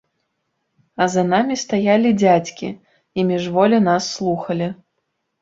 А за намі стаялі дзядзькі і міжволі нас слухалі.